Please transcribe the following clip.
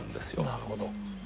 なるほど。